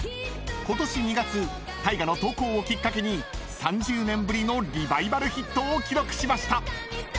［ことし２月タイガの投稿をきっかけに３０年ぶりのリバイバルヒットを記録しました］